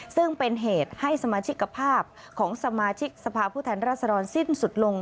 ซึ่งเป็นเหตุให้สมาชิกภาพของสมาชิกสภาพผู้แทนรัศดรสิ้นสุดลง